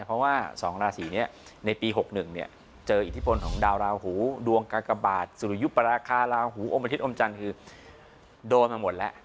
เพราะว่า๒ราศีนี้ในปี๖๑เจออิทธิพลของดาวราหูดวงกากบาทสุริยุปราคาราหูอมอาทิตยอมจันทร์คือโดนมาหมดแล้ว